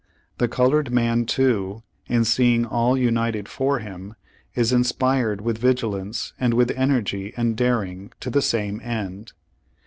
The colored man, too, in seeing all united for him, is inspired with vigilance and v/ith energy and daring to the same end.